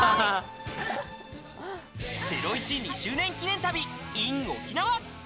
『ゼロイチ』２周年記念旅ＩＮ沖縄。